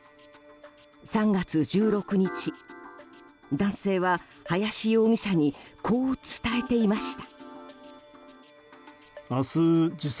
３月１６日、男性は林容疑者にこう伝えていました。